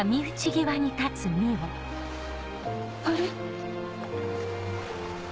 あれ？